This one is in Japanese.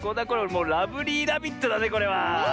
もうラブリーラビットだねこれは。